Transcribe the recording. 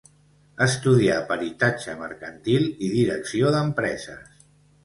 Estudià peritatge mercantil i direcció d'empreses.